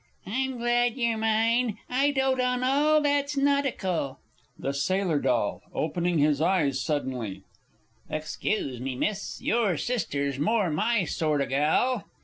I'm glad you're mine. I dote on all that's nautical. The Sailor D. (opening his eyes suddenly). Excuse me, Miss, your sister's more my sort o' gal.